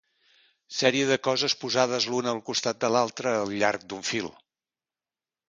Sèrie de coses posades l'una al costat de l'altra al llarg d'un fil.